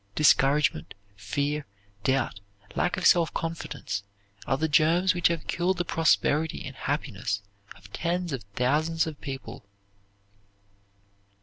Discouragement, fear, doubt, lack of self confidence, are the germs which have killed the prosperity and happiness of tens of thousands of people.